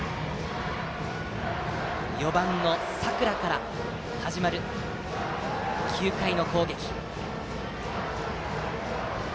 ４番の佐倉から始まる９回の攻撃。